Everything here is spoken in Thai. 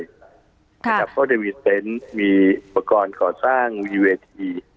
เพราะว่าจะมีเตนท์มีอุปกรณ์ของสร้างวิทยาลัยศาสตร์